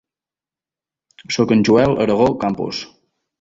Soc el Joel Aragó Campos.